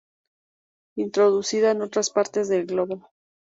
Introducida en otras partes del Globo.